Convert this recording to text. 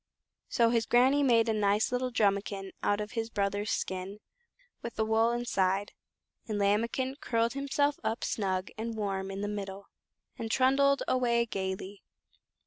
So his Granny made a nice little drumikin out of his brother's skin, with the wool inside, and Lambikin curled himself up snug and warm in the middle, and trundled away gaily.